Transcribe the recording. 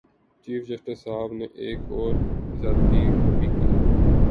Chief justice صاحب نے ایک اور زیادتی بھی کی۔